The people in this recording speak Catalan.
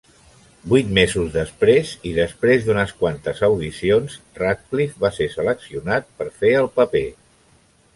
Vuit mesos després, i després d'unes quantes audicions, Radcliffe va ser seleccionat per fer el paper.